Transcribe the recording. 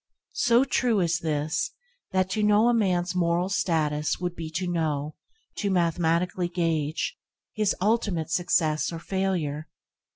So true is this that to know a man's moral status would be to know – to mathematically gauge – his ultimate success or failure.